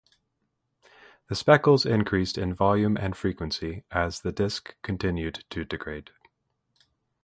The speckles increased in volume and frequency as the disc continued to degrade.